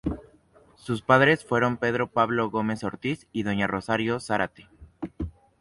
Sus padres fueron Pedro Pablo Gómez Ortiz y doña Rosario Zárate.